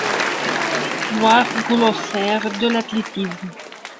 Voir Glossaire de l'athlétisme.